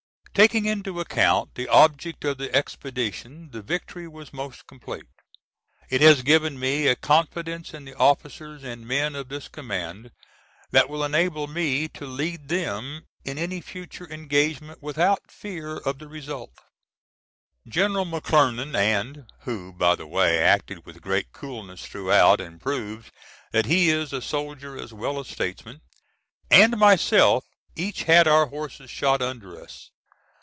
Taking into account the object of the expedition the victory was most complete. It has given me a confidence in the officers and men of this command, that will enable me to lead them in any future engagement without fear of the result. General McClernand (who by the way acted with great coolness throughout, and proved that he is a soldier as well as statesman) and myself each had our horses shot under us.